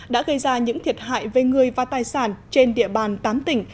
đã gây ra những thiệt hại về người và tài sản trên địa bàn tám tỉnh